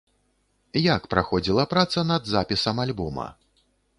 Як праходзіла праца над запісам альбома?